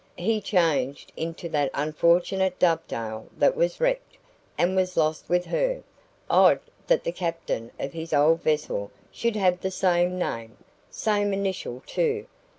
He changed into that unfortunate DOVEDALE that was wrecked, and was lost with her. Odd that the captain of his old vessel should have the same name same initial too.